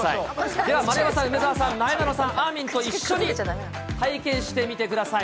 では丸山さん、梅澤さん、なえなのさん、あーみんと一緒に体験してみてください。